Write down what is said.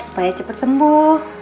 supaya cepet sembuh